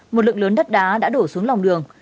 một lượng lớn đất đá đã đổ xuống lòng đường